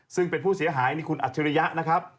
ซึ่งเป็นผู้เสียหายนี่คุณอัจฉริยะนะครับ